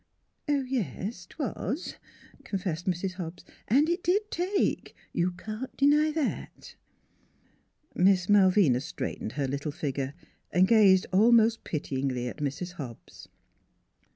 "" Yes, 'twas," confessed Mrs. Hobbs; " an' it did take ; you can't deny that." Miss Malvina straightened her little figure and gazed almost pityingly at Mrs. Hobbs.